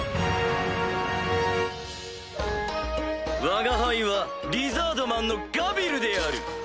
わが輩はリザードマンのガビルである。